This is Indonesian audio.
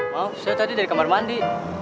maaf saya tadi dari kamar mandi